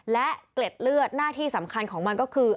และเกล็ดเลือดหน้าที่สำคัญของมันก็คือ